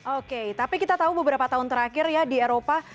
oke tapi kita tahu beberapa tahun terakhir ya di eropa